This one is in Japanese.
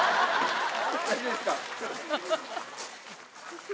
大丈夫ですか？